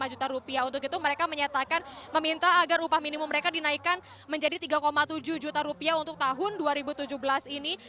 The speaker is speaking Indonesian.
lima juta rupiah untuk itu mereka menyatakan meminta agar upah minimum mereka dinaikkan menjadi tiga tujuh juta rupiah untuk tahun dua ribu tujuh belas ini